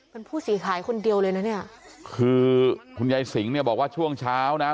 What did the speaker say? เป็นผู้เสียหายคนเดียวเลยนะเนี่ยคือคุณยายสิงห์เนี่ยบอกว่าช่วงเช้านะ